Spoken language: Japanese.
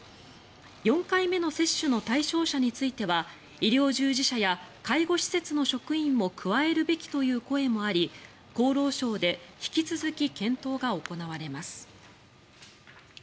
４回目の接種の対象者については医療従事者や介護施設の職員も加えるべきという声もあり厚労省で引き続き検討が行われます。